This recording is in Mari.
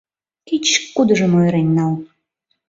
— Кеч-кудыжым ойырен нал!